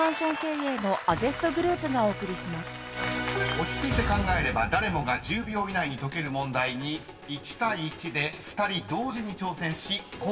［落ち着いて考えれば誰もが１０秒以内に解ける問題に１対１で２人同時に挑戦し口頭で解答］